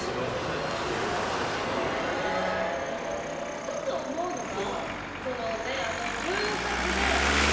一つ思うのが。